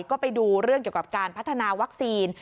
ก็ไปดูเรื่องเกี่ยวกับการพัฒนาวัคซีน